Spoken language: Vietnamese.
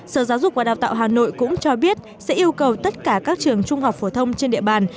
sở giáo dục và đào tạo hà nội cũng cho biết sẽ yêu cầu tất cả các trường trung học phổ thông trên địa bàn